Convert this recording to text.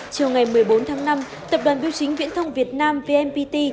chiều ngày một mươi bốn tháng năm tập đoàn biêu chính viễn thông việt nam vnpt